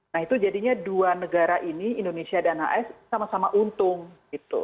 nah itu jadinya dua negara ini indonesia dan as sama sama untung gitu